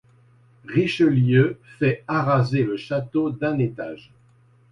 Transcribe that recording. Richelieu fait araser le château d'un étage.